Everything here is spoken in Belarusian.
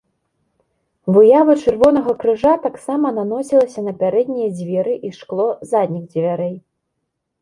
Выява чырвонага крыжа таксама наносілася на пярэднія дзверы і шкло задніх дзвярэй.